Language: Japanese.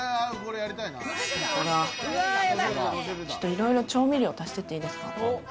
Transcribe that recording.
いろいろ調味料足していっていいですか。